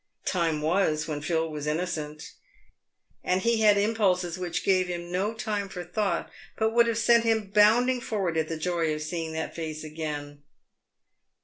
Time was when Phil was innocent, and he had impulses whicli gave him no time for thought, but would have sent him bounding forward at the joy of seeing that face again.